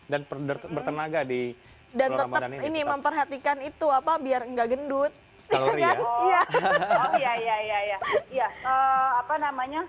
dan bertenaga di dan ini memperhatikan itu apa biar enggak gendut ya iya apa namanya